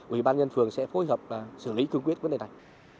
ủy ban nhân phường sẽ phối hợp xử lý cương quyết vấn đề này